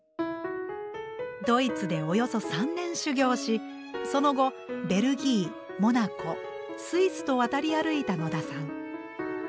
ドイツでおよそ３年修業しその後ベルギーモナコスイスと渡り歩いた野田さん。